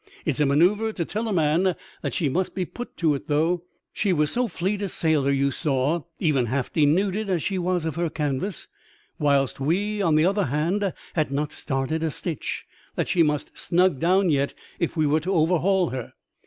It is a manoeuvre to tell a man that she must be put to it though," TEIRST! AN OCEAN INCIDENT. 53 She was so fleet a sailer, you saw, even half denuded as she was of her canvas, whilst we on the other hand had not started a stitch, that she must snug down yet if we were to overhaul her.